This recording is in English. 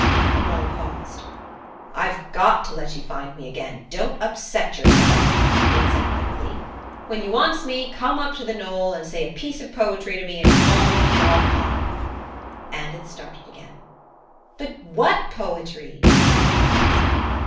The mole paused. "I've got to let you find me again. Don't upset yourself," it said bitterly. "When you wants me, come up on to the knoll and say a piece of poetry to call me, and I'll come," and it started again. "But what poetry?" Edred asked.